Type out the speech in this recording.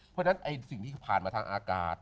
เพราะฉะนั้นสิ่งที่ผ่านมาทางอากาศ